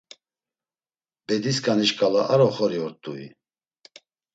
Bedisǩani şǩala ar oxori ort̆ui?